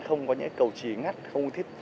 không có những cầu trí ngắt không thích